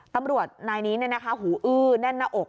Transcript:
ตำรวจนายนี้หูอื้อแน่นหน้าอก